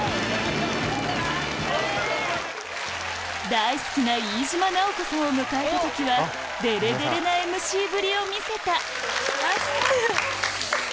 大好きな飯島直子さんを迎えた時はデレデレなＭＣぶりを見せたお願いします。